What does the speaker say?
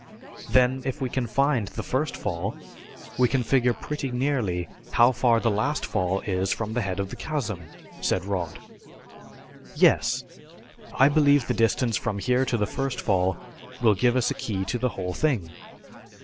"Then if we can find the first fall we can figure pretty nearly how far the last fall is from the head of the chasm," said Rod. "Yes. I believe the distance from here to the first fall will give us a key to the whole thing."